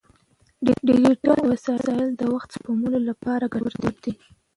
ډیجیټل وسایل د وخت سپمولو لپاره ګټور دي.